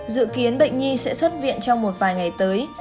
dự kiến bệnh nhi sẽ xuất viện trong một vài ngày tới